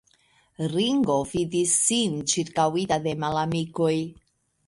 Ringo vidis sin ĉirkaŭita de malamikoj.